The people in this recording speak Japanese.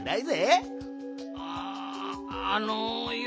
ああのよ。